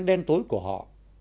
đen tối của họ